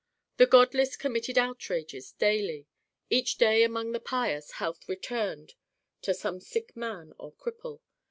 The godless committed outrages daily; each day among the pious health returned to some sick man or cripple.